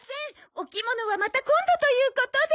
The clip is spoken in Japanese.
お着物はまた今度ということで。